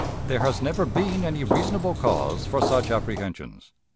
There has never been any reasonable cause for such apprehensions.